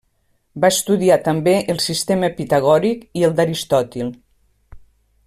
Va estudiar també el sistema pitagòric i el d'Aristòtil.